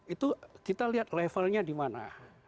itu kita lihat levelnya dimana